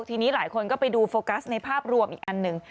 ทีนี้หลายคนก็ไปดูโฟกัสในภาพรวมอีกอันหนึ่ง